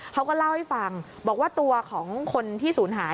เขาก็เล่าให้ฟังบอกว่าตัวของคนที่ศูนย์หาย